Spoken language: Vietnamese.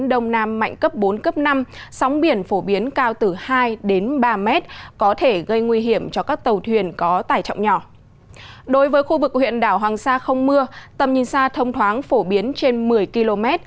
đối với khu vực huyện đảo hoàng sa không mưa tầm nhìn xa thông thoáng phổ biến trên một mươi km